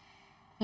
jadi sedikit lagi